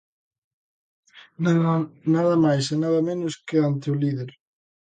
Nada máis e nada menos que ante o líder.